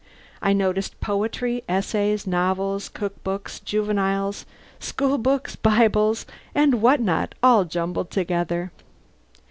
I noticed poetry, essays, novels, cook books, juveniles, school books, Bibles, and what not all jumbled together.